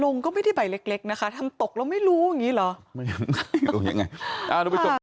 ลงก็ไม่ได้ใบเล็กนะคะทำตกแล้วไม่รู้อย่างนี้เหรอ